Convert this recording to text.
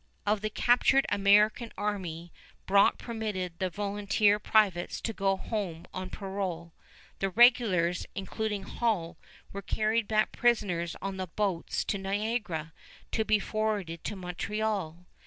Of the captured American army Brock permitted the volunteer privates to go home on parole. The regulars, including Hull, were carried back prisoners on the boats to Niagara, to be forwarded to Montreal.